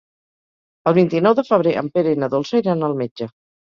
El vint-i-nou de febrer en Pere i na Dolça iran al metge.